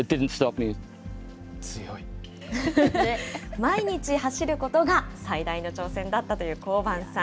毎日走ることが最大の挑戦だったというコーバンさん。